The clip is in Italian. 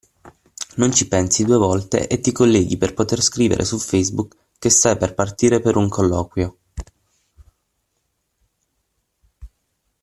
Non ci pensi due volte e ti colleghi per poter scrivere su Facebook che stai per partire per un colloquio!